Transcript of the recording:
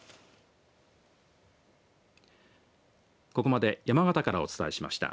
ここまで山形からお伝えしました。